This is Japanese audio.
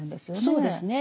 そうですね。